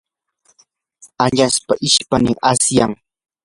añaspa ishpaynin asyan.